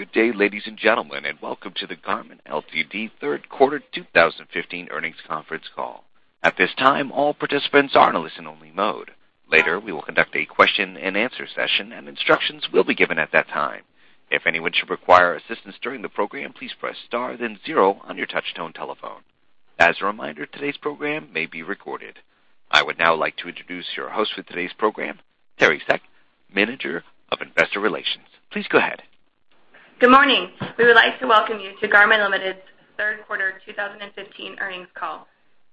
Good day, ladies and gentlemen, and welcome to the Garmin Ltd. third quarter 2015 earnings conference call. At this time, all participants are in a listen-only mode. Later, we will conduct a question-and-answer session, and instructions will be given at that time. If anyone should require assistance during the program, please press star then zero on your touchtone telephone. As a reminder, today's program may be recorded. I would now like to introduce your host for today's program, Teri Seck, Manager of Investor Relations. Please go ahead. Good morning. We would like to welcome you to Garmin Limited's third quarter 2015 earnings call.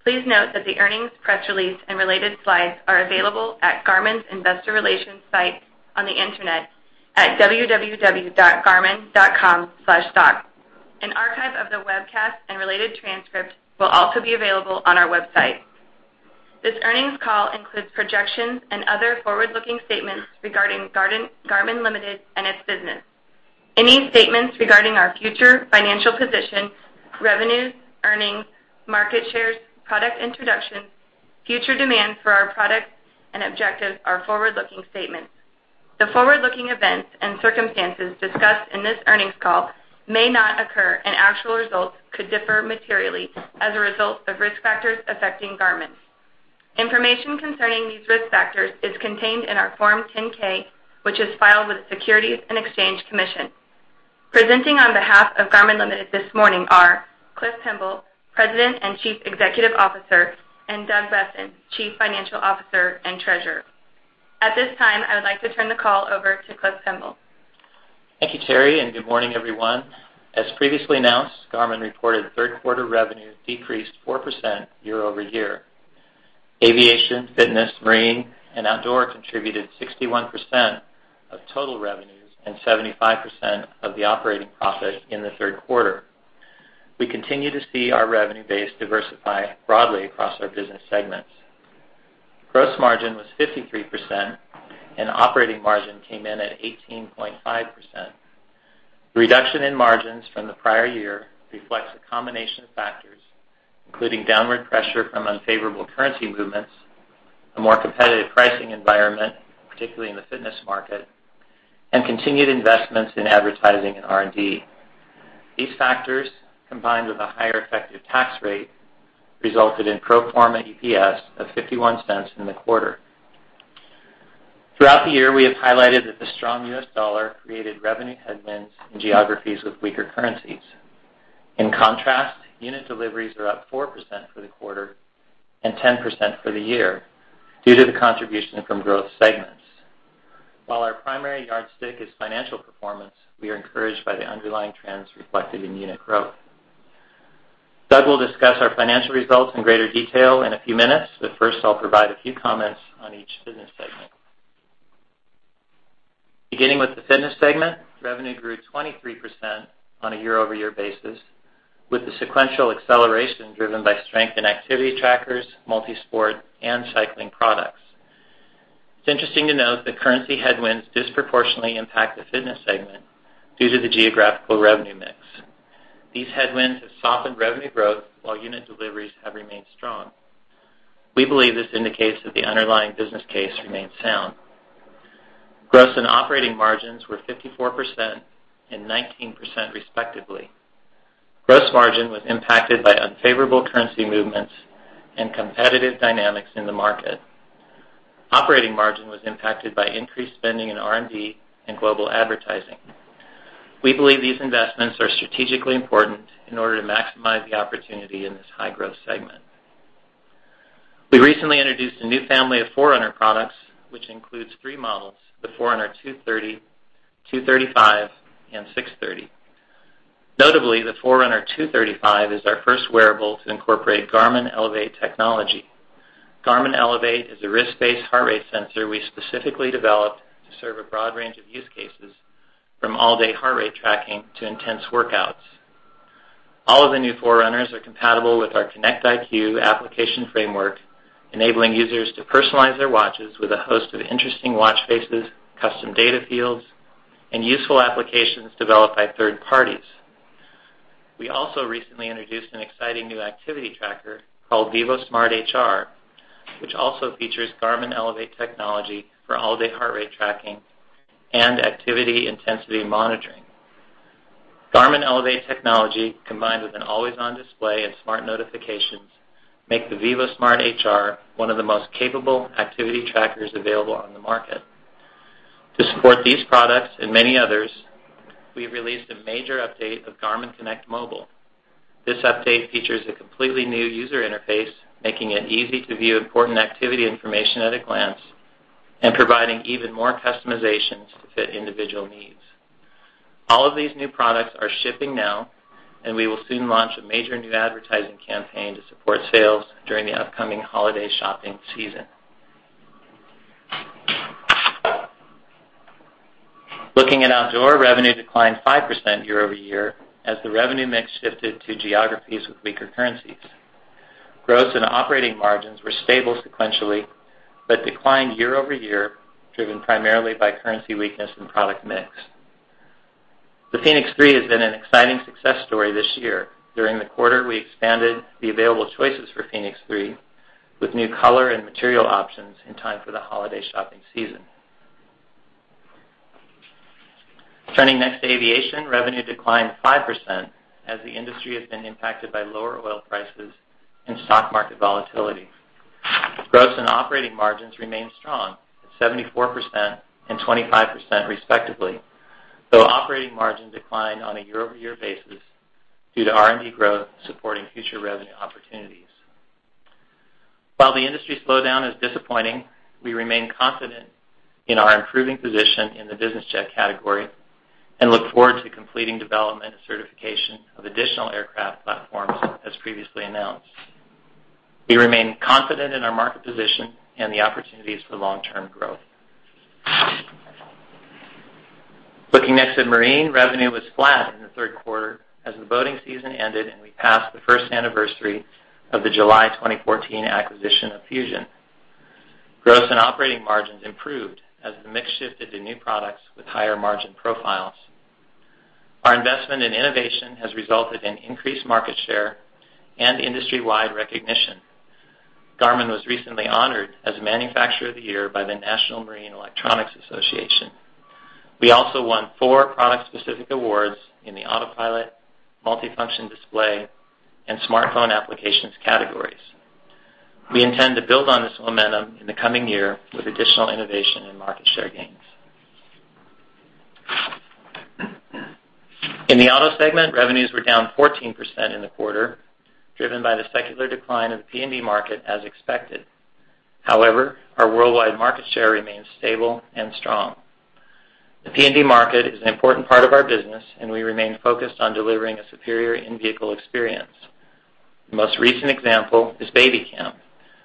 Please note that the earnings press release and related slides are available at Garmin's Investor Relations site on the internet at www.garmin.com/stock. An archive of the webcast and related transcript will also be available on our website. This earnings call includes projections and other forward-looking statements regarding Garmin Limited and its business. Any statements regarding our future financial position, revenues, earnings, market shares, product introductions, future demand for our products and objectives are forward-looking statements. The forward-looking events and circumstances discussed in this earnings call may not occur, and actual results could differ materially as a result of risk factors affecting Garmin. Information concerning these risk factors is contained in our Form 10-K, which is filed with the Securities and Exchange Commission. Presenting on behalf of Garmin Limited this morning are Cliff Pemble, President and Chief Executive Officer, and Doug Boessen, Chief Financial Officer and Treasurer. At this time, I would like to turn the call over to Cliff Pemble. Thank you, Teri, and good morning, everyone. As previously announced, Garmin reported third-quarter revenue decreased 4% year-over-year. Aviation, Fitness, Marine, and Outdoor contributed 61% of total revenues and 75% of the operating profit in the third quarter. We continue to see our revenue base diversify broadly across our business segments. Gross margin was 53%, and operating margin came in at 18.5%. The reduction in margins from the prior year reflects a combination of factors, including downward pressure from unfavorable currency movements, a more competitive pricing environment, particularly in the fitness market, and continued investments in advertising and R&D. These factors, combined with a higher effective tax rate, resulted in pro forma EPS of $0.51 in the quarter. Throughout the year, we have highlighted that the strong U.S. dollar created revenue headwinds in geographies with weaker currencies. In contrast, unit deliveries are up 4% for the quarter and 10% for the year due to the contribution from growth segments. While our primary yardstick is financial performance, we are encouraged by the underlying trends reflected in unit growth. Doug will discuss our financial results in greater detail in a few minutes, but first, I'll provide a few comments on each business segment. Beginning with the Fitness segment, revenue grew 23% on a year-over-year basis, with the sequential acceleration driven by strength in activity trackers, multi-sport, and cycling products. It's interesting to note that currency headwinds disproportionately impact the Fitness segment due to the geographical revenue mix. These headwinds have softened revenue growth while unit deliveries have remained strong. We believe this indicates that the underlying business case remains sound. Gross and operating margins were 54% and 19%, respectively. Gross margin was impacted by unfavorable currency movements and competitive dynamics in the market. Operating margin was impacted by increased spending in R&D and global advertising. We believe these investments are strategically important in order to maximize the opportunity in this high-growth segment. We recently introduced a new family of Forerunner products, which includes three models, the Forerunner 230, 235, and 630. Notably, the Forerunner 235 is our first wearable to incorporate Garmin Elevate technology. Garmin Elevate is a wrist-based heart rate sensor we specifically developed to serve a broad range of use cases, from all-day heart rate tracking to intense workouts. All of the new Forerunners are compatible with our Connect IQ application framework, enabling users to personalize their watches with a host of interesting watch faces, custom data fields, and useful applications developed by third parties. We also recently introduced an exciting new activity tracker called vívosmart HR, which also features Garmin Elevate technology for all-day heart rate tracking and activity intensity monitoring. Garmin Elevate technology, combined with an always-on display and smart notifications, make the vívosmart HR one of the most capable activity trackers available on the market. To support these products and many others, we've released a major update of Garmin Connect Mobile. This update features a completely new user interface, making it easy to view important activity information at a glance and providing even more customizations to fit individual needs. All of these new products are shipping now, and we will soon launch a major new advertising campaign to support sales during the upcoming holiday shopping season. Looking at Outdoor, revenue declined 5% year-over-year as the revenue mix shifted to geographies with weaker currencies. Gross and operating margins were stable sequentially but declined year-over-year, driven primarily by currency weakness and product mix. The fēnix 3 has been an exciting success story this year. During the quarter, we expanded the available choices for fēnix 3 with new color and material options in time for the holiday shopping season. Turning next to Aviation, revenue declined 5% as the industry has been impacted by lower oil prices and stock market volatility. Gross and operating margins remain strong, at 74% and 25% respectively. Though operating margins declined on a year-over-year basis due to R&D growth supporting future revenue opportunities. While the industry slowdown is disappointing, we remain confident in our improving position in the business jet category and look forward to completing development and certification of additional aircraft platforms as previously announced. We remain confident in our market position and the opportunities for long-term growth. Looking next at marine, revenue was flat in the third quarter as the boating season ended, and we passed the first anniversary of the July 2014 acquisition of Fusion. Gross and operating margins improved as the mix shifted to new products with higher margin profiles. Our investment in innovation has resulted in increased market share and industry-wide recognition. Garmin was recently honored as Manufacturer of the Year by the National Marine Electronics Association. We also won four product-specific awards in the autopilot, multifunction display, and smartphone applications categories. We intend to build on this momentum in the coming year with additional innovation and market share gains. In the Auto segment, revenues were down 14% in the quarter, driven by the secular decline of the PND market as expected. However, our worldwide market share remains stable and strong. The PND market is an important part of our business, and we remain focused on delivering a superior in-vehicle experience. The most recent example is babyCam,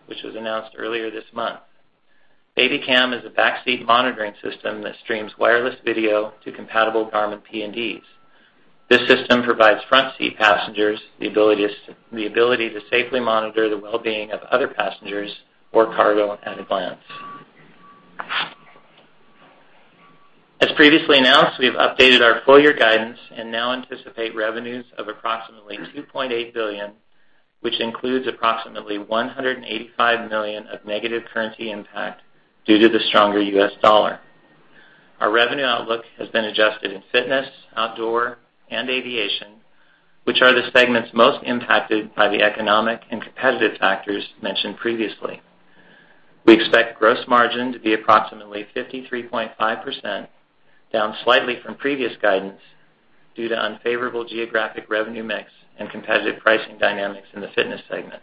which was announced earlier this month. babyCam is a backseat monitoring system that streams wireless video to compatible Garmin PNDs. This system provides front-seat passengers the ability to safely monitor the well-being of other passengers or cargo at a glance. As previously announced, we've updated our full-year guidance and now anticipate revenues of approximately $2.8 billion, which includes approximately $185 million of negative currency impact due to the stronger US dollar. Our revenue outlook has been adjusted in Fitness, Outdoor, and Aviation, which are the segments most impacted by the economic and competitive factors mentioned previously. We expect gross margin to be approximately 53.5%, down slightly from previous guidance due to unfavorable geographic revenue mix and competitive pricing dynamics in the Fitness segment.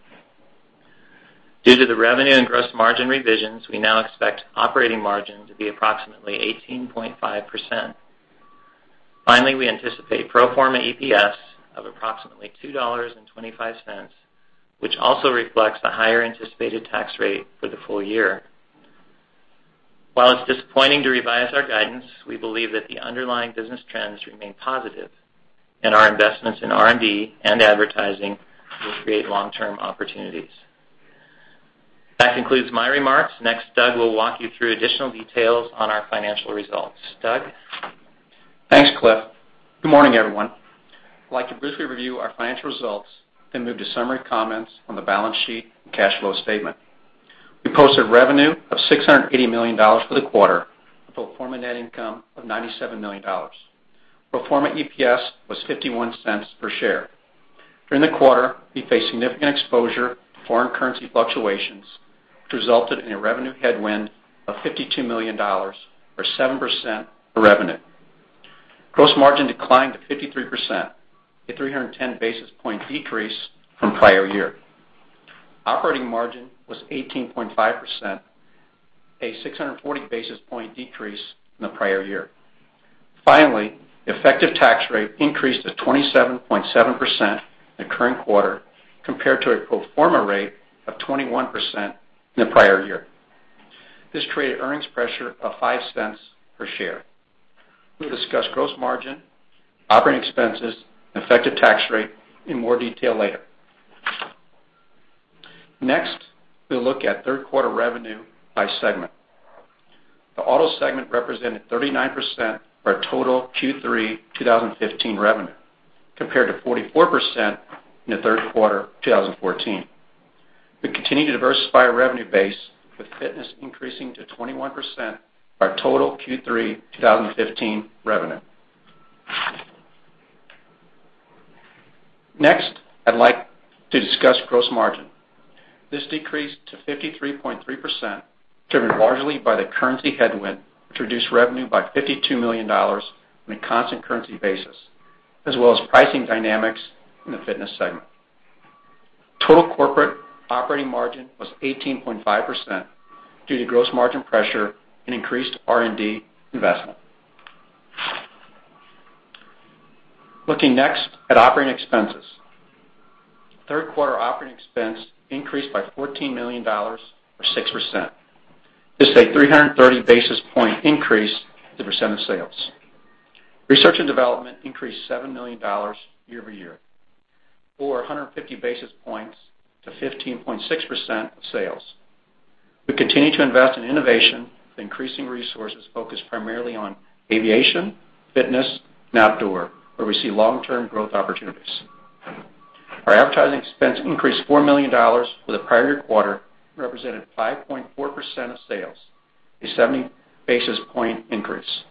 Due to the revenue and gross margin revisions, we now expect operating margin to be approximately 18.5%. Finally, we anticipate pro forma EPS of approximately $2.25, which also reflects the higher anticipated tax rate for the full year. While it's disappointing to revise our guidance, we believe that the underlying business trends remain positive and our investments in R&D and advertising will create long-term opportunities. That concludes my remarks. Next, Doug will walk you through additional details on our financial results. Doug? Thanks, Cliff. Good morning, everyone. I'd like to briefly review our financial results, then move to summary comments on the balance sheet and cash flow statement. We posted revenue of $680 million for the quarter, with a pro forma net income of $97 million. Pro forma EPS was $0.51 per share. During the quarter, we faced significant exposure to foreign currency fluctuations, which resulted in a revenue headwind of $52 million or 7% of revenue. Gross margin declined to 53%, a 310 basis point decrease from prior year. Operating margin was 18.5%, a 640 basis point decrease from the prior year. Finally, effective tax rate increased to 27.7% in the current quarter, compared to a pro forma rate of 21% in the prior year. This created earnings pressure of $0.05 per share. We'll discuss gross margin, operating expenses, and effective tax rate in more detail later. Next, we'll look at third quarter revenue by segment. The auto segment represented 39% of our total Q3 2015 revenue, compared to 44% in the third quarter of 2014. We continue to diversify our revenue base, with fitness increasing to 21% of our total Q3 2015 revenue. Next, I'd like to discuss gross margin. This decreased to 53.3%, driven largely by the currency headwind, which reduced revenue by $52 million on a constant currency basis, as well as pricing dynamics in the fitness segment. Total corporate operating margin was 18.5% due to gross margin pressure and increased R&D investment. Looking next at operating expenses. Third quarter operating expense increased by $14 million or 6%. This is a 330 basis point increase to the percent of sales. Research and development increased $7 million year-over-year, or 150 basis points to 15.6% of sales. We continue to invest in innovation with increasing resources focused primarily on aviation, fitness, and outdoor, where we see long-term growth opportunities. Our advertising expense increased $4 million for the prior quarter and represented 5.4% of sales, a 70 basis point increase.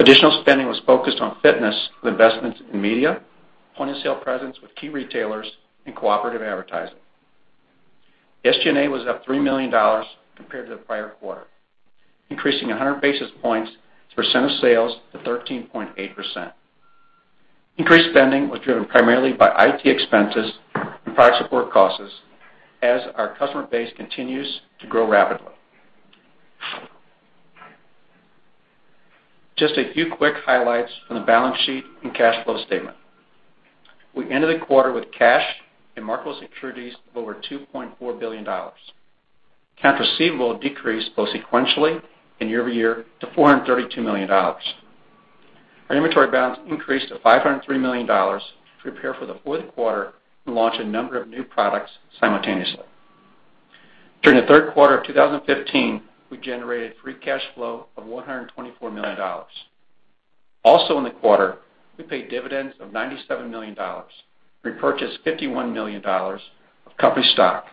Additional spending was focused on fitness with investments in media, point-of-sale presence with key retailers, and cooperative advertising. SG&A was up $3 million compared to the prior quarter, increasing 100 basis points as a percent of sales to 13.8%. Increased spending was driven primarily by IT expenses and prior support costs as our customer base continues to grow rapidly. Just a few quick highlights from the balance sheet and cash flow statement. We ended the quarter with cash and marketable securities of over $2.4 billion. Accounts receivable decreased both sequentially and year-over-year to $432 million. Our inventory balance increased to $503 million to prepare for the fourth quarter and launch a number of new products simultaneously. During the third quarter of 2015, we generated free cash flow of $124 million. Also in the quarter, we paid dividends of $97 million, repurchased $51 million of company stock,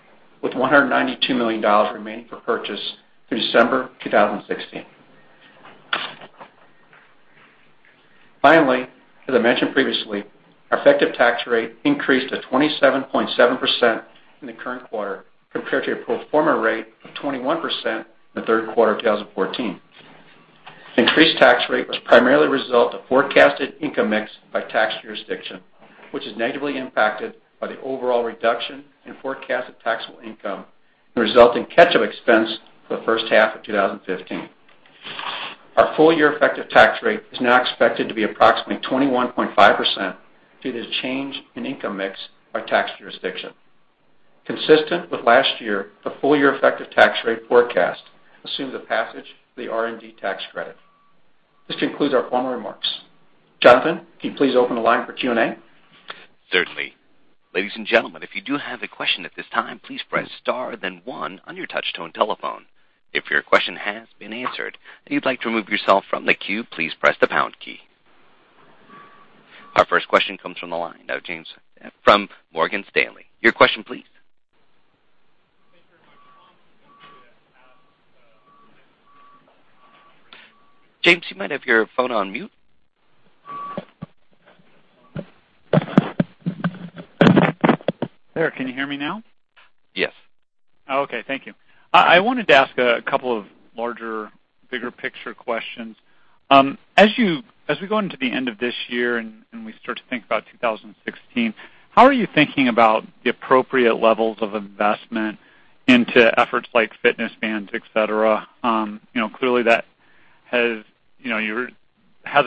with $192 million remaining for purchase through December 2016. Finally, as I mentioned previously, our effective tax rate increased to 27.7% in the current quarter, compared to a pro forma rate of 21% in the third quarter of 2014. Increased tax rate was primarily a result of forecasted income mix by tax jurisdiction, which is negatively impacted by the overall reduction in forecasted taxable income and the resulting catch-up expense for the first half of 2015. Our full-year effective tax rate is now expected to be approximately 21.5% due to the change in income mix by tax jurisdiction. Consistent with last year, the full-year effective tax rate forecast assumes the passage of the R&D tax credit. This concludes our formal remarks. Jonathan, can you please open the line for Q&A? Certainly. Ladies and gentlemen, if you do have a question at this time, please press star then one on your touch-tone telephone. If your question has been answered and you'd like to remove yourself from the queue, please press the pound key. Our first question comes from the line of James from Morgan Stanley. Your question, please. Thank you very much. James, you might have your phone on mute. There. Can you hear me now? Yes. Okay. Thank you. I wanted to ask a couple of larger, bigger picture questions. As we go into the end of this year and we start to think about 2016, how are you thinking about the appropriate levels of investment into efforts like fitness bands, et cetera? Clearly, that hasn't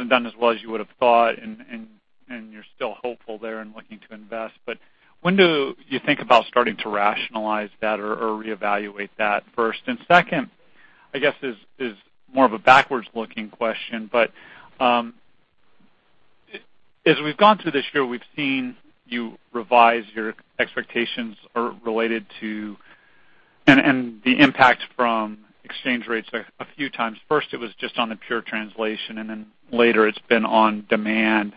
done as well as you would have thought, and you're still hopeful there and looking to invest. When do you think about starting to rationalize that or reevaluate that, first? Second, I guess this is more of a backwards-looking question, as we've gone through this year, we've seen you revise your expectations and the impact from exchange rates a few times. First, it was just on the pure translation, then later it's been on demand.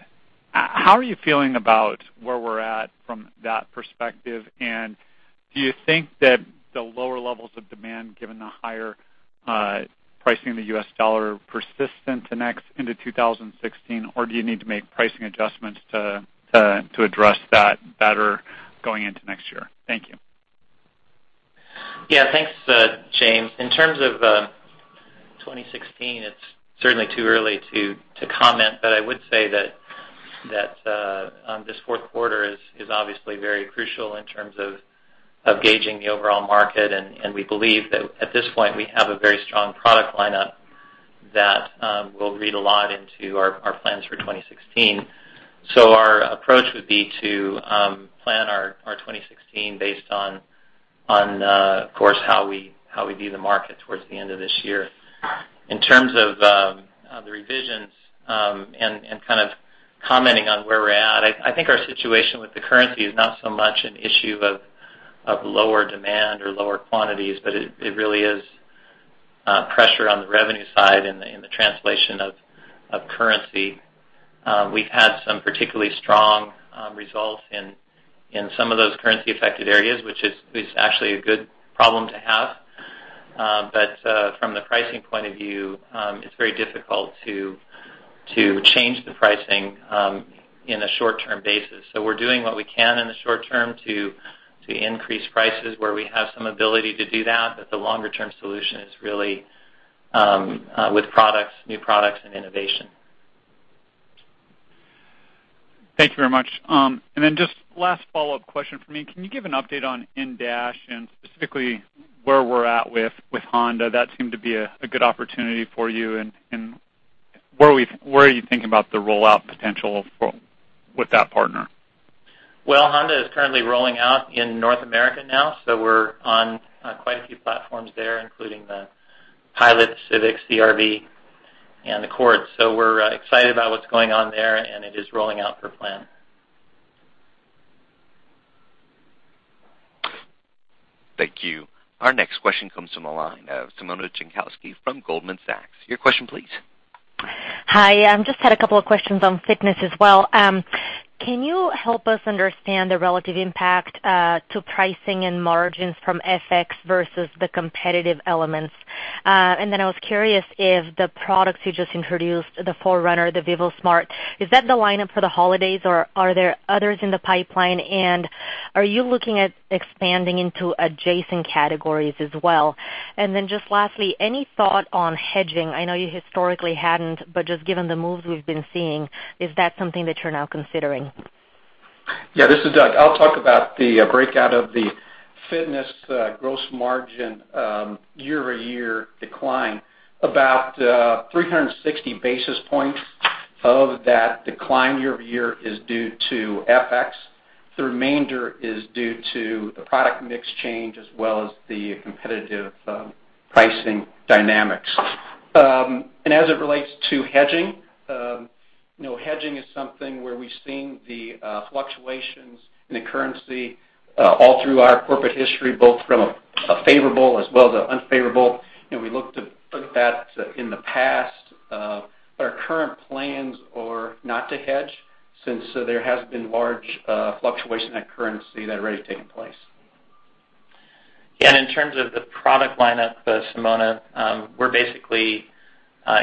How are you feeling about where we're at from that perspective? Do you think that the lower levels of demand, given the higher pricing in the US dollar, persist into 2016? Do you need to make pricing adjustments to address that better going into next year? Thank you. Yeah. Thanks, James. In terms of 2016, it's certainly too early to comment. I would say that this fourth quarter is obviously very crucial in terms of gauging the overall market, and we believe that at this point, we have a very strong product lineup that will read a lot into our plans for 2016. Our approach would be to plan our 2016 based on, of course, how we view the market towards the end of this year. In terms of the revisions and commenting on where we're at, I think our situation with the currency is not so much an issue of lower demand or lower quantities, but it really is pressure on the revenue side and the translation of currency. We've had some particularly strong results in some of those currency-affected areas, which is actually a good problem to have. From the pricing point of view, it's very difficult to change the pricing in a short-term basis. We're doing what we can in the short term to increase prices where we have some ability to do that. The longer-term solution is really with new products and innovation. Thank you very much. Just last follow-up question from me. Can you give an update on in-dash and specifically where we're at with Honda? That seemed to be a good opportunity for you, and where are you thinking about the rollout potential with that partner? Well, Honda is currently rolling out in North America now, we're on quite a few platforms there, including the Pilot, Civic, CR-V, and the Accord. We're excited about what's going on there, and it is rolling out per plan. Thank you. Our next question comes from the line of Simona Jankowski from Goldman Sachs. Your question, please. Hi. I just had a couple of questions on fitness as well. Can you help us understand the relative impact to pricing and margins from FX versus the competitive elements? I was curious if the products you just introduced, the Forerunner, the vívosmart, is that the lineup for the holidays, or are there others in the pipeline, and are you looking at expanding into adjacent categories as well? Just lastly, any thought on hedging? I know you historically hadn't, but just given the moves we've been seeing, is that something that you're now considering? This is Doug. I'll talk about the breakout of the fitness gross margin year-over-year decline. About 360 basis points of that decline year-over-year is due to FX. The remainder is due to the product mix change as well as the competitive pricing dynamics. As it relates to hedging is something where we've seen the fluctuations in the currency all through our corporate history, both from a favorable as well as unfavorable. We look to that in the past. Our current plans are not to hedge, since there has been large fluctuation in currency that had already taken place. In terms of the product lineup, Simona, we're basically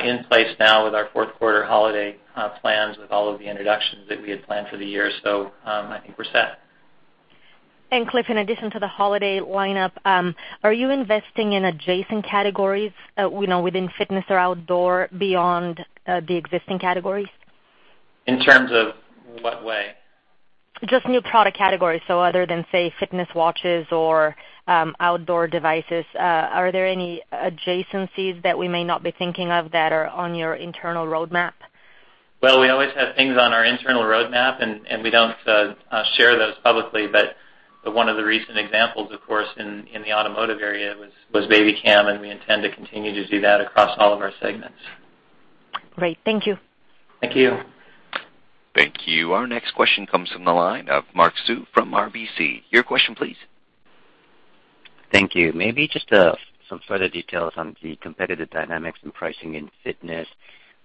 in place now with our fourth quarter holiday plans with all of the introductions that we had planned for the year. I think we're set. Cliff, in addition to the holiday lineup, are you investing in adjacent categories within fitness or outdoor beyond the existing categories? In terms of what way? Just new product categories. Other than, say, fitness watches or outdoor devices, are there any adjacencies that we may not be thinking of that are on your internal roadmap? Well, we always have things on our internal roadmap, and we don't share those publicly. One of the recent examples, of course, in the automotive area, was babyCam, and we intend to continue to do that across all of our segments. Great. Thank you. Thank you. Thank you. Our next question comes from the line of Mark Sue from RBC. Your question please. Thank you. Maybe just some further details on the competitive dynamics and pricing in fitness.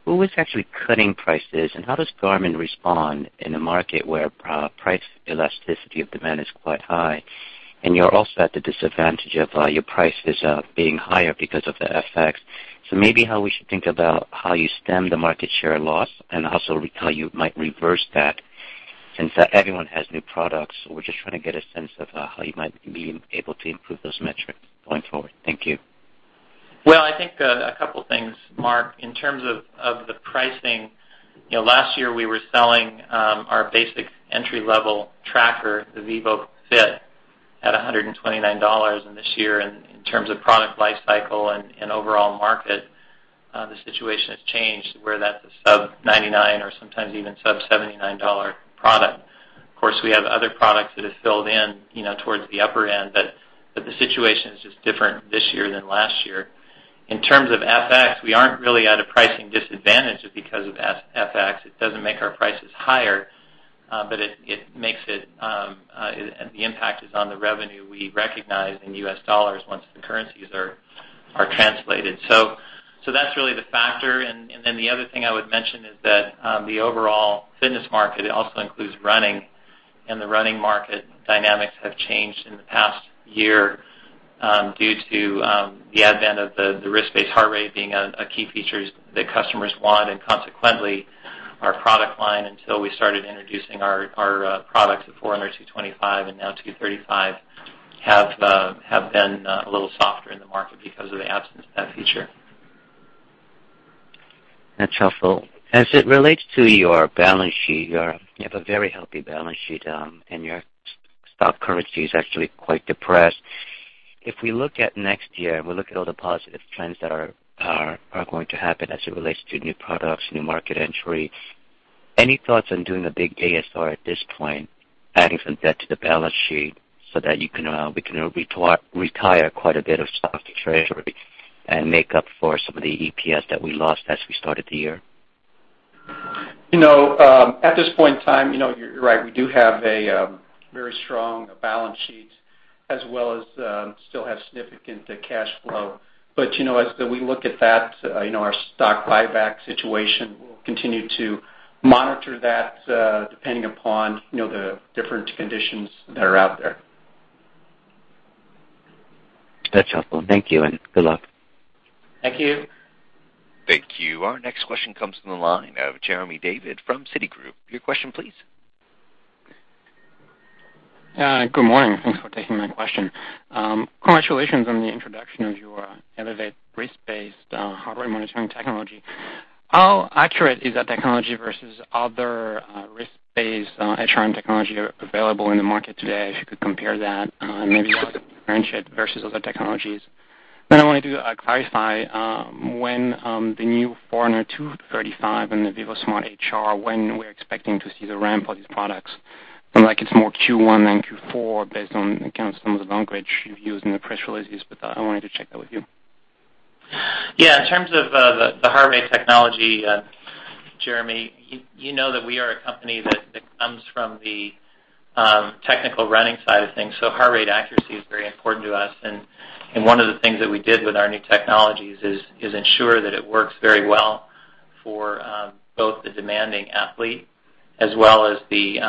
Who is actually cutting prices, and how does Garmin respond in a market where price elasticity of demand is quite high? You're also at the disadvantage of your prices being higher because of the FX. Maybe how we should think about how you stem the market share loss, and also how you might reverse that since everyone has new products. We're just trying to get a sense of how you might be able to improve those metrics going forward. Thank you. Well, I think a couple things, Mark. In terms of the pricing, last year, we were selling our basic entry-level tracker, the vívofit, at $129. This year, in terms of product life cycle and overall market, the situation has changed where that's a sub-$99 or sometimes even sub-$79 product. Of course, we have other products that have filled in towards the upper end, but the situation is just different this year than last year. In terms of FX, we aren't really at a pricing disadvantage because of FX. It doesn't make our prices higher, but the impact is on the revenue we recognize in US dollars once the currencies are translated. That's really the factor. The other thing I would mention is that the overall fitness market also includes running, and the running market dynamics have changed in the past year due to the advent of the wrist-based heart rate being a key feature that customers want. Consequently, our product line, until we started introducing our products, the Forerunner 225 and now 235, have been a little softer in the market because of the absence of that feature. That's helpful. As it relates to your balance sheet, you have a very healthy balance sheet, and your stock currency is actually quite depressed. If we look at next year, and we look at all the positive trends that are going to happen as it relates to new products, new market entry, any thoughts on doing a big ASR at this point, adding some debt to the balance sheet so that we can retire quite a bit of stock to treasury and make up for some of the EPS that we lost as we started the year? At this point in time, you're right. We do have a very strong balance sheet as well as still have significant cash flow. As we look at that, our stock buyback situation, we'll continue to monitor that depending upon the different conditions that are out there. That's helpful. Thank you, and good luck. Thank you. Thank you. Our next question comes from the line of Jeremy David from Citigroup. Your question, please. Good morning. Thanks for taking my question. Congratulations on the introduction of your Elevate wrist-based heart rate monitoring technology. How accurate is that technology versus other wrist-based HR technology available in the market today? If you could compare that, and maybe how it can differentiate versus other technologies. I wanted to clarify when the new Forerunner 235 and the vívosmart HR, when we're expecting to see the ramp for these products. It's more Q1 than Q4 based on, again, some of the language you've used in the press releases, I wanted to check that with you. Yeah. In terms of the heart rate technology, Jeremy, you know that we are a company that comes from the technical running side of things, heart rate accuracy is very important to us. One of the things that we did with our new technologies is ensure that it works very well for both the demanding athlete as well as the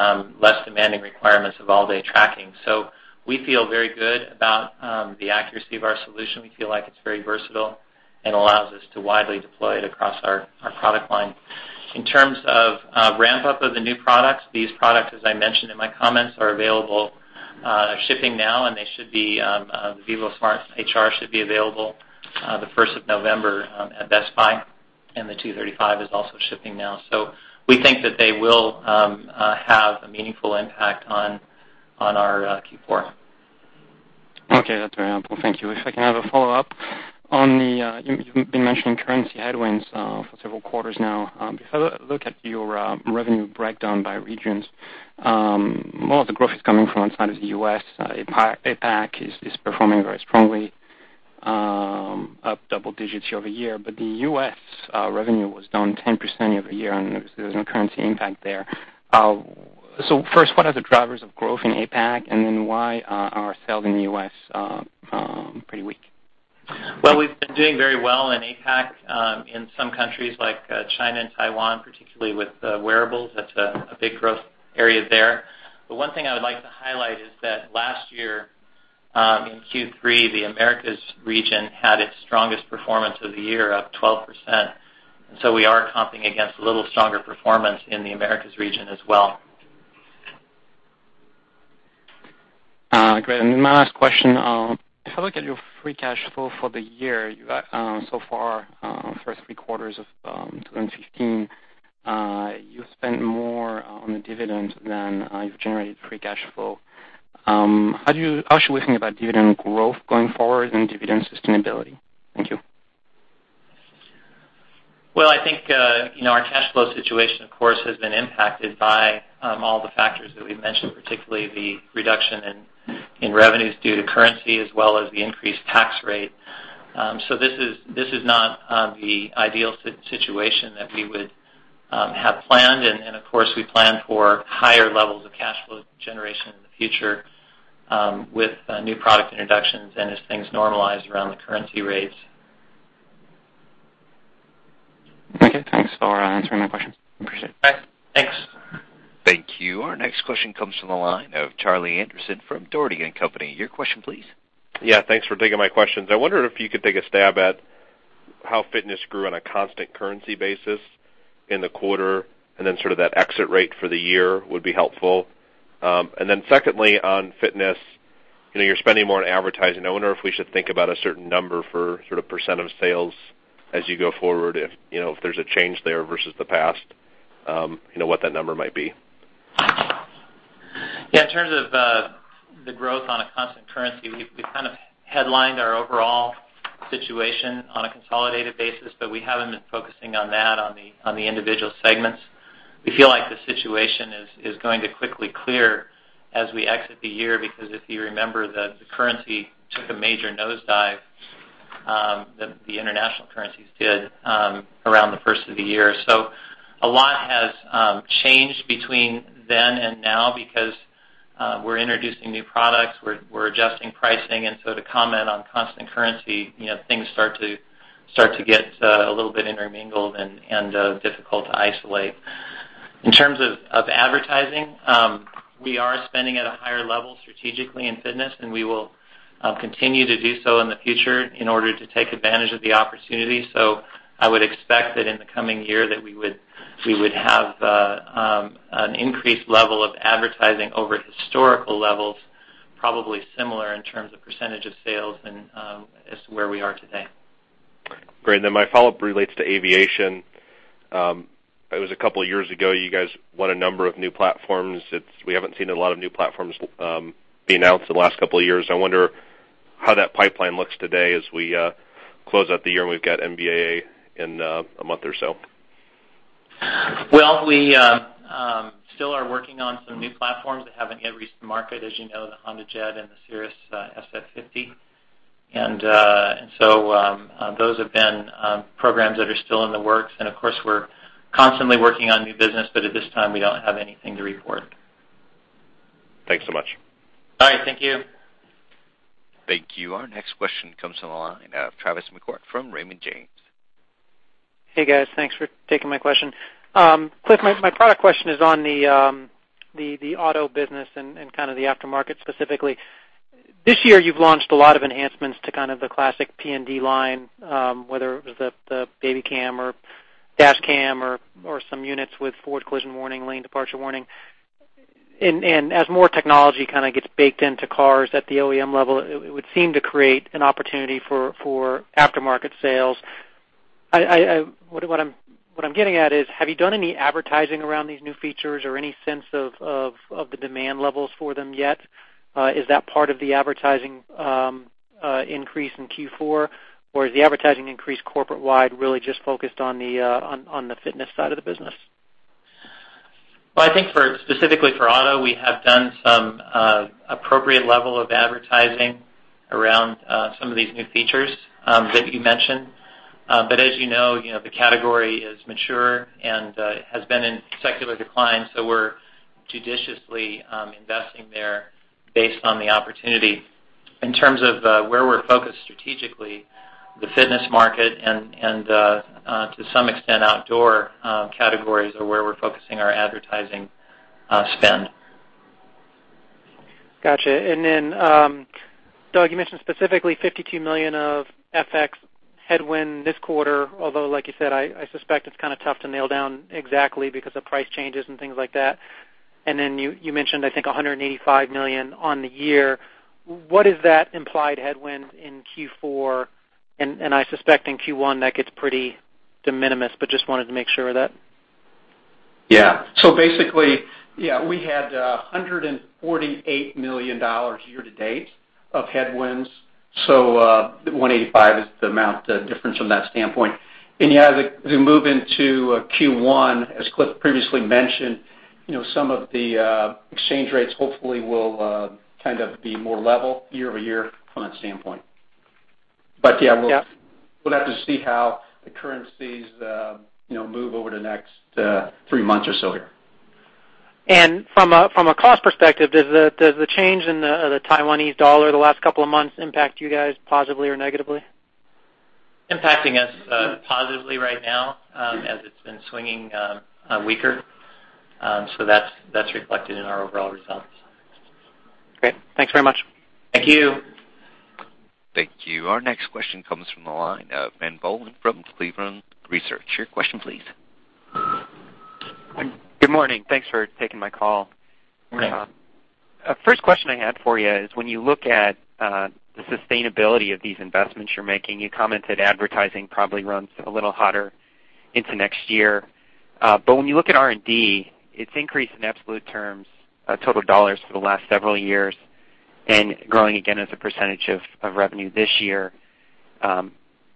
less demanding requirements of all-day tracking. We feel very good about the accuracy of our solution. We feel like it's very versatile and allows us to widely deploy it across our product line. In terms of ramp-up of the new products, these products, as I mentioned in my comments, are available, are shipping now. The vívosmart HR should be available the 1st of November at Best Buy. The 235 is also shipping now. We think that they will have a meaningful impact on our Q4. Okay. That's very helpful. Thank you. If I can have a follow-up. You've been mentioning currency headwinds for several quarters now. If I look at your revenue breakdown by regions, most of the growth is coming from outside of the U.S. APAC is performing very strongly, up double digits year-over-year. The U.S. revenue was down 10% year-over-year, and there was no currency impact there. First, what are the drivers of growth in APAC? Why are sales in the U.S. pretty weak? We've been doing very well in APAC, in some countries like China and Taiwan, particularly with wearables. That's a big growth area there. One thing I would like to highlight is that last year, in Q3, the Americas region had its strongest performance of the year, up 12%. We are comping against a little stronger performance in the Americas region as well. Great. My last question, if I look at your free cash flow for the year so far, first three quarters of 2015, you spent more on the dividend than you've generated free cash flow. How should we think about dividend growth going forward and dividend sustainability? Thank you. I think our cash flow situation, of course, has been impacted by all the factors that we've mentioned, particularly the reduction in revenues due to currency as well as the increased tax rate. This is not the ideal situation that we would have planned. Of course, we plan for higher levels of cash flow generation in the future with new product introductions and as things normalize around the currency rates. Okay, thanks for answering my questions. Appreciate it. All right. Thanks. Thank you. Our next question comes from the line of Charlie Anderson from Dougherty & Company. Your question, please. Yeah, thanks for taking my questions. I wonder if you could take a stab at how fitness grew on a constant currency basis in the quarter, then sort of that exit rate for the year would be helpful. Then secondly, on fitness, you're spending more on advertising. I wonder if we should think about a certain number for sort of percent of sales as you go forward, if there's a change there versus the past, what that number might be. Yeah. In terms of the growth on a constant currency, we've kind of headlined our overall situation on a consolidated basis, but we haven't been focusing on that on the individual segments. We feel like the situation is going to quickly clear as we exit the year, because if you remember, the currency took a major nosedive, the international currencies did, around the first of the year. A lot has changed between then and now because we're introducing new products, we're adjusting pricing, to comment on constant currency, things start to get a little bit intermingled and difficult to isolate. In terms of advertising, we are spending at a higher level strategically in fitness, and we will continue to do so in the future in order to take advantage of the opportunity. I would expect that in the coming year that we would have an increased level of advertising over historical levels, probably similar in terms of percentage of sales as to where we are today. Great. My follow-up relates to aviation. It was a couple of years ago, you guys won a number of new platforms. We haven't seen a lot of new platforms being announced in the last couple of years. I wonder how that pipeline looks today as we close out the year and we've got NBAA in a month or so. We still are working on some new platforms that haven't yet reached the market, as you know, the HondaJet and the Cirrus SF50. Those have been programs that are still in the works. Of course, we're constantly working on new business, but at this time, we don't have anything to report. Thanks so much. All right. Thank you. Thank you. Our next question comes from the line of Tavis McCourt from Raymond James. Hey, guys. Thanks for taking my question. Cliff, my product question is on the auto business and kind of the aftermarket specifically. This year, you've launched a lot of enhancements to kind of the classic PND line, whether it was the babyCam or dash cam or some units with forward collision warning, lane departure warning. As more technology kind of gets baked into cars at the OEM level, it would seem to create an opportunity for aftermarket sales. What I'm getting at is, have you done any advertising around these new features or any sense of the demand levels for them yet? Is that part of the advertising increase in Q4? Is the advertising increase corporate-wide really just focused on the fitness side of the business? I think specifically for auto, we have done some appropriate level of advertising around some of these new features that you mentioned. As you know, the category is mature and has been in secular decline, so we're judiciously investing there based on the opportunity. In terms of where we're focused strategically, the fitness market and to some extent, outdoor categories are where we're focusing our advertising spend. Got you. Then, Doug, you mentioned specifically $52 million of FX headwind this quarter, although like you said, I suspect it's kind of tough to nail down exactly because of price changes and things like that. Then you mentioned, I think, $185 million on the year. What is that implied headwind in Q4? I suspect in Q1 that gets pretty de minimis, just wanted to make sure of that. Yeah. Basically, we had $148 million year-to-date of headwinds. $185 million is the amount, the difference from that standpoint. Yeah, as we move into Q1, as Cliff previously mentioned, some of the exchange rates hopefully will be more level year-over-year from that standpoint. Yeah, we'll have to see how the currencies move over the next three months or so here. From a cost perspective, does the change in the Taiwanese dollar the last couple of months impact you guys positively or negatively? Impacting us positively right now, as it's been swinging weaker. That's reflected in our overall results. Great. Thanks very much. Thank you. Thank you. Our next question comes from the line of Ben Bollin from Cleveland Research. Your question please. Good morning. Thanks for taking my call. Good morning. First question I had for you is when you look at the sustainability of these investments you're making, you commented advertising probably runs a little hotter into next year. When you look at R&D, it's increased in absolute terms, total dollars for the last several years, and growing again as a percentage of revenue this year.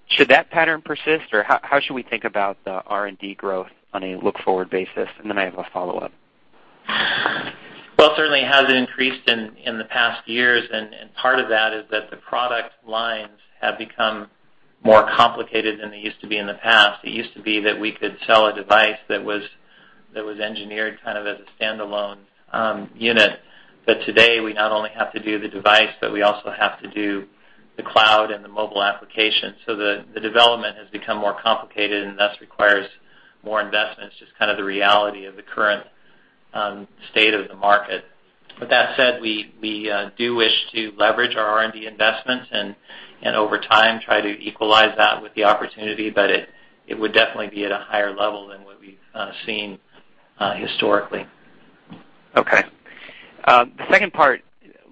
Should that pattern persist, or how should we think about the R&D growth on a look-forward basis? Then I have a follow-up. Well, it certainly has increased in the past years, part of that is that the product lines have become more complicated than they used to be in the past. It used to be that we could sell a device that was engineered kind of as a standalone unit. Today, we not only have to do the device, but we also have to do the cloud and the mobile application. The development has become more complicated and thus requires more investments. Just kind of the reality of the current state of the market. With that said, we do wish to leverage our R&D investments and over time, try to equalize that with the opportunity. It would definitely be at a higher level than what we've seen historically. The second part,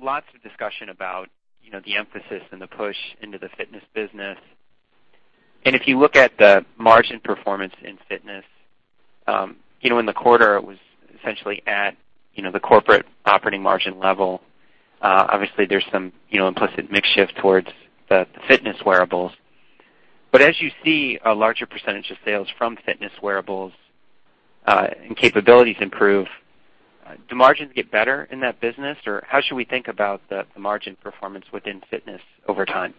lots of discussion about the emphasis and the push into the fitness business. If you look at the margin performance in fitness, in the quarter, it was essentially at the corporate operating margin level. Obviously, there is some implicit mix shift towards the fitness wearables. As you see a larger % of sales from fitness wearables and capabilities improve, do margins get better in that business? How should we think about the margin performance within fitness over time?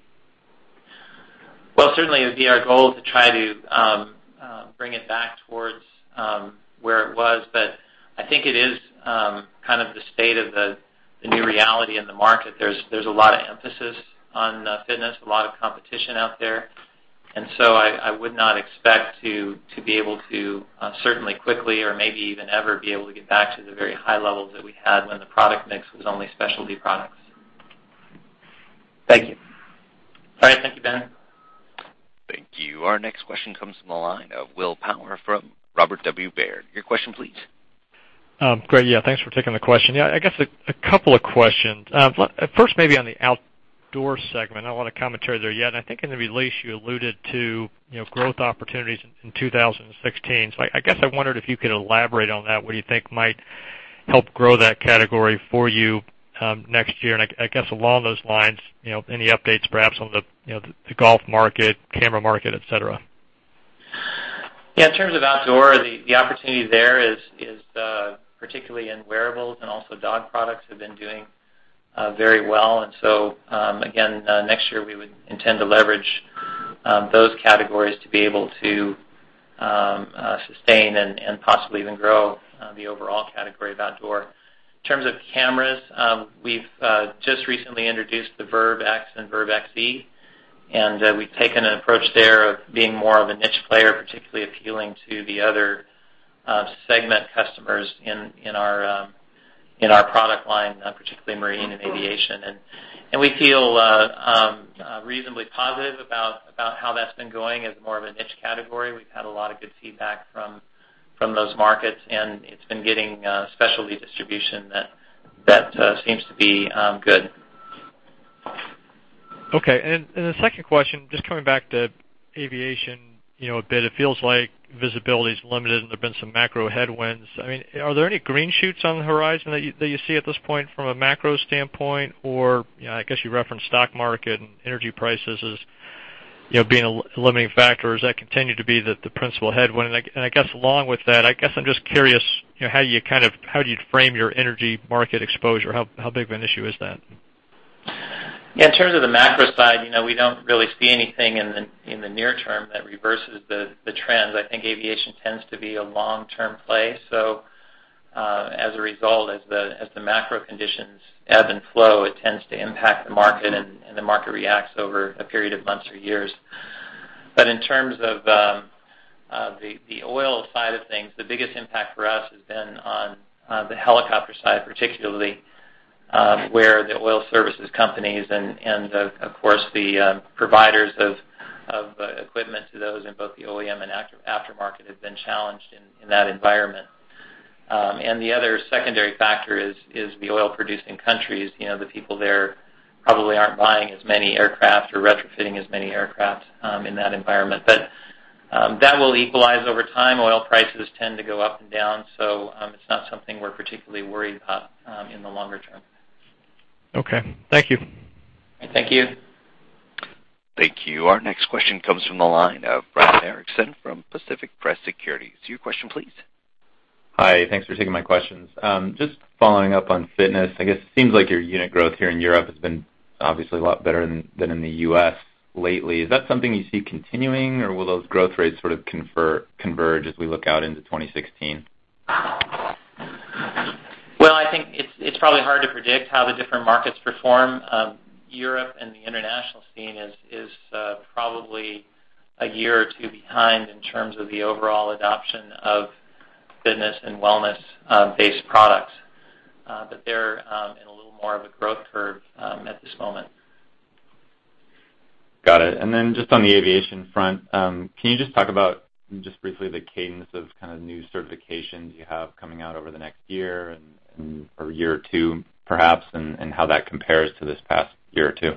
Well, certainly it would be our goal to try to bring it back towards where it was, I think it is kind of the state of the new reality in the market. There is a lot of emphasis on fitness, a lot of competition out there. I would not expect to be able to certainly quickly or maybe even ever be able to get back to the very high levels that we had when the product mix was only specialty products. Thank you. All right. Thank you, Ben. Thank you. Our next question comes from the line of Will Power from Robert W. Baird. Your question, please. Great, yeah. Thanks for taking the question. Yeah, I guess a couple of questions. First, maybe on the outdoor segment, not a lot of commentary there yet, and I think in the release you alluded to growth opportunities in 2016. I guess I wondered if you could elaborate on that. What do you think might help grow that category for you next year? I guess along those lines, any updates perhaps on the golf market, camera market, et cetera? Yeah. In terms of outdoor, the opportunity there is particularly in wearables and also dog products have been doing very well. Again, next year we would intend to leverage those categories to be able to sustain and possibly even grow the overall category of outdoor. In terms of cameras, we've just recently introduced the VIRB X and VIRB XE, and we've taken an approach there of being more of a niche player, particularly appealing to the other segment customers in our product line, particularly marine and aviation. We feel reasonably positive about how that's been going as more of a niche category. We've had a lot of good feedback from those markets, and it's been getting specialty distribution that seems to be good. Okay. The second question, just coming back to aviation a bit, it feels like visibility's limited and there's been some macro headwinds. Are there any green shoots on the horizon that you see at this point from a macro standpoint, or I guess you referenced stock market and energy prices as being a limiting factor, does that continue to be the principal headwind? I guess along with that, I'm just curious how you'd frame your energy market exposure. How big of an issue is that? In terms of the macro side, we don't really see anything in the near term that reverses the trends. I think aviation tends to be a long-term play. As a result, as the macro conditions ebb and flow, it tends to impact the market, and the market reacts over a period of months or years. In terms of the oil side of things, the biggest impact for us has been on the helicopter side, particularly where the oil services companies and, of course, the providers of equipment to those in both the OEM and aftermarket have been challenged in that environment. The other secondary factor is the oil-producing countries. The people there probably aren't buying as many aircraft or retrofitting as many aircraft in that environment. That will equalize over time. Oil prices tend to go up and down, it's not something we're particularly worried about in the longer term. Okay. Thank you. Thank you. Thank you. Our next question comes from the line of Brad Erickson from Pacific Crest Securities. Your question, please. Hi. Thanks for taking my questions. Just following up on fitness, I guess it seems like your unit growth here in Europe has been obviously a lot better than in the U.S. lately. Is that something you see continuing, or will those growth rates sort of converge as we look out into 2016? Well, I think it's probably hard to predict how the different markets perform. Europe and the international scene is probably a year or two behind in terms of the overall adoption of fitness and wellness-based products. They're in a little more of a growth curve at this moment. Got it. Just on the aviation front, can you just talk about, just briefly, the cadence of kind of new certifications you have coming out over the next year or two perhaps, and how that compares to this past year or two?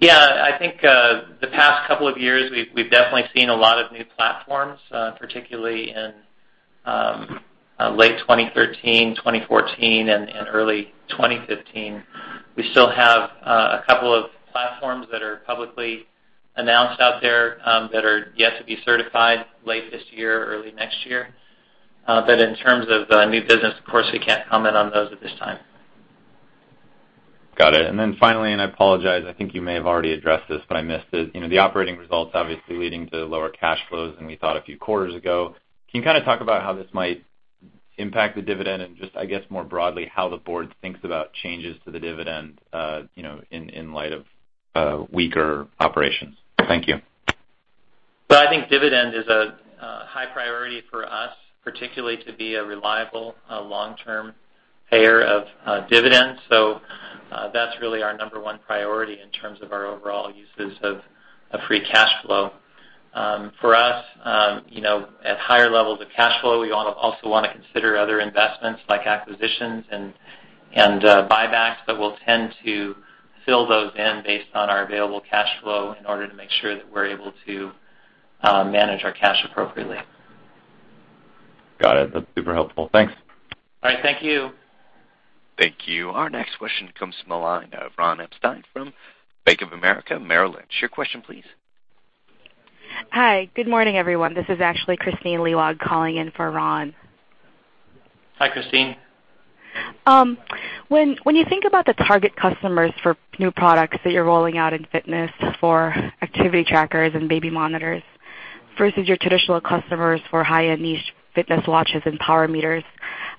I think the past couple of years, we've definitely seen a lot of new platforms, particularly in late 2013, 2014, and early 2015. We still have a couple of platforms that are publicly announced out there that are yet to be certified late this year or early next year. In terms of new business, of course, we can't comment on those at this time. Got it. Finally, I apologize, I think you may have already addressed this, but I missed it. The operating results obviously leading to lower cash flows than we thought a few quarters ago. Can you kind of talk about how this might impact the dividend and just, I guess, more broadly, how the board thinks about changes to the dividend, in light of weaker operations? Thank you. I think dividend is a high priority for us, particularly to be a reliable, long-term payer of dividends. That's really our number one priority in terms of our overall uses of free cash flow. For us, at higher levels of cash flow, we also want to consider other investments like acquisitions and buybacks, we'll tend to fill those in based on our available cash flow in order to make sure that we're able to manage our cash appropriately. Got it. That's super helpful. Thanks. All right. Thank you. Thank you. Our next question comes from the line of Ron Epstein from Bank of America Merrill Lynch. Your question please. Hi. Good morning, everyone. This is actually Kristine Liwag calling in for Ron. Hi, Kristine. When you think about the target customers for new products that you're rolling out in fitness for activity trackers and baby monitors versus your traditional customers for high-end niche fitness watches and power meters,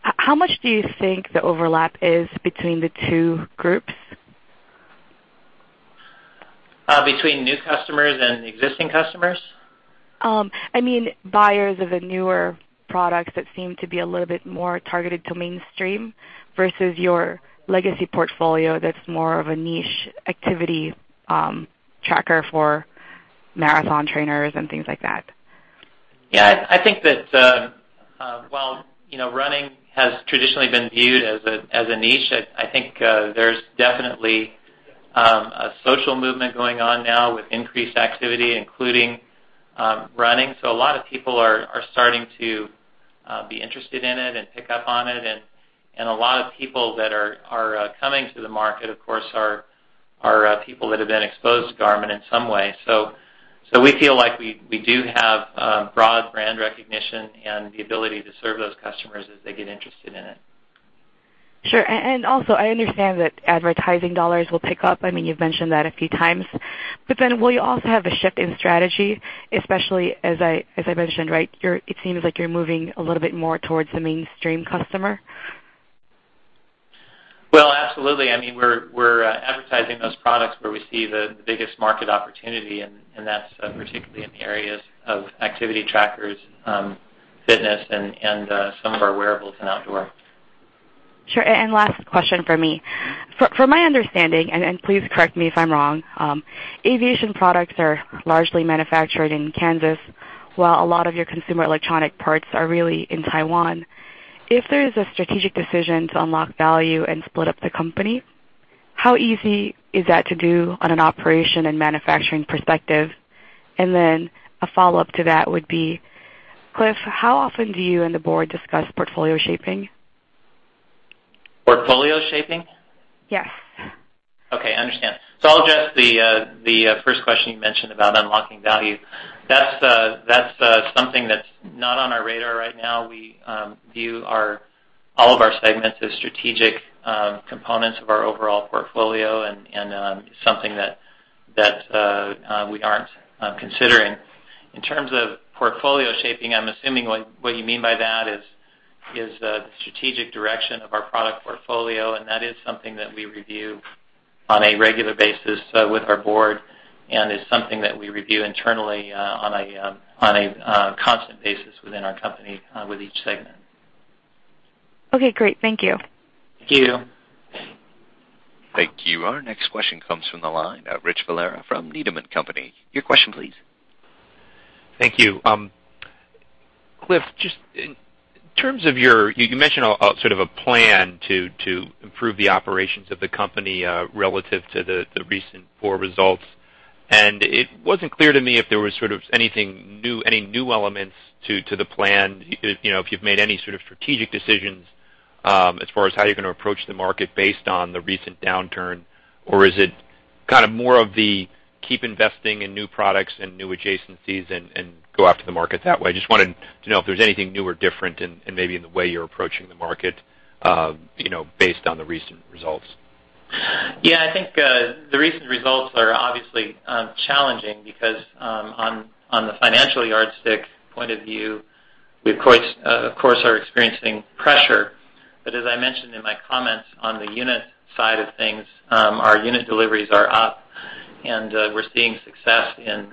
how much do you think the overlap is between the two groups? Between new customers and existing customers? I mean buyers of the newer products that seem to be a little bit more targeted to mainstream versus your legacy portfolio that's more of a niche activity tracker for marathon trainers and things like that. Yeah. I think that while running has traditionally been viewed as a niche, I think there's definitely a social movement going on now with increased activity, including running. A lot of people are starting to be interested in it and pick up on it. A lot of people that are coming to the market, of course, are people that have been exposed to Garmin in some way. We feel like we do have broad brand recognition and the ability to serve those customers as they get interested in it. Sure. Also, I understand that advertising dollars will pick up. You've mentioned that a few times. Then will you also have a shift in strategy, especially as I mentioned, it seems like you're moving a little bit more towards the mainstream customer? Well, absolutely. We're advertising those products where we see the biggest market opportunity, and that's particularly in the areas of activity trackers, fitness, and some of our wearables and outdoor. Sure. Last question from me. From my understanding, and please correct me if I'm wrong, aviation products are largely manufactured in Kansas, while a lot of your consumer electronic parts are really in Taiwan. If there is a strategic decision to unlock value and split up the company, how easy is that to do on an operation and manufacturing perspective? Then a follow-up to that would be, Cliff, how often do you and the board discuss portfolio shaping? Portfolio shaping? Yes. I understand. I'll address the first question you mentioned about unlocking value. That's something that's not on our radar right now. We view all of our segments as strategic components of our overall portfolio and something that we aren't considering. In terms of portfolio shaping, I'm assuming what you mean by that is the strategic direction of our product portfolio, and that is something that we review on a regular basis with our board, and is something that we review internally on a constant basis within our company, with each segment. Okay, great. Thank you. Thank you. Thank you. Our next question comes from the line of Richard Valera from Needham & Company. Your question, please. Thank you. Cliff, you mentioned sort of a plan to improve the operations of the company relative to the recent poor results. It wasn't clear to me if there was sort of any new elements to the plan, if you've made any sort of strategic decisions as far as how you're going to approach the market based on the recent downturn. Is it kind of more of the keep investing in new products and new adjacencies and go after the market that way? Just wanted to know if there's anything new or different and maybe in the way you're approaching the market based on the recent results. I think the recent results are obviously challenging because on the financial yardstick point of view, we of course, are experiencing pressure. As I mentioned in my comments on the unit side of things, our unit deliveries are up and we're seeing success in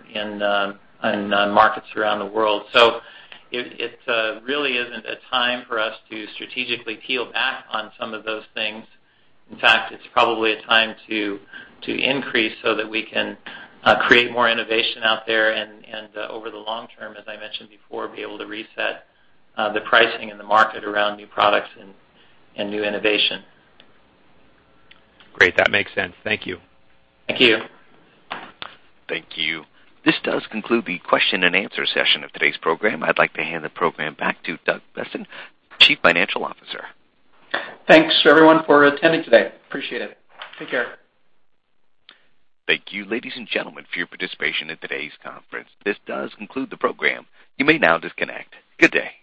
markets around the world. It really isn't a time for us to strategically peel back on some of those things. In fact, it's probably a time to increase so that we can create more innovation out there, and over the long term, as I mentioned before, be able to reset the pricing in the market around new products and new innovation. Great. That makes sense. Thank you. Thank you. Thank you. This does conclude the question and answer session of today's program. I'd like to hand the program back to Doug Boessen, Chief Financial Officer. Thanks everyone for attending today. Appreciate it. Take care. Thank you, ladies and gentlemen, for your participation in today's conference. This does conclude the program. You may now disconnect. Good day.